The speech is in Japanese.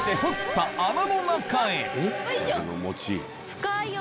深いよ。